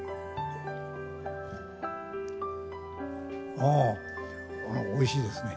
あおいしいですね。